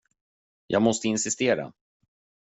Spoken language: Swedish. Jag måste insistera.